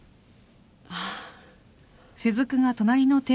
ああ。